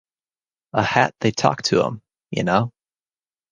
A hat they talk to 'em, you know.